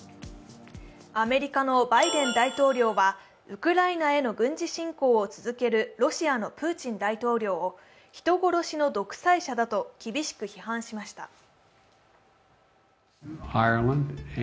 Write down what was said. アメリカのバイデン大統領は、ウクライナへの軍事侵攻を続けるロシアのプーチン大統領を人殺しの独裁者だと厳しく批判しました。